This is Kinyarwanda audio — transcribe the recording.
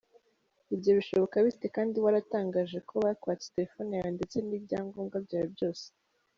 Ibyo bishoboka bite kandi waratangaje ko bakwatse telefone yawe ndetse n’ibyangombwa byawe byose?